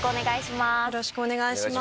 よろしくお願いします。